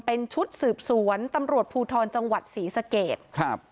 เป็นชุดสืบสวนตำรวจภูทรจังหวัดศรีสเกตครับ